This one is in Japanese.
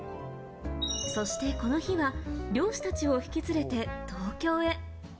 そしてこの日は漁師たちを引き連れて東京へ。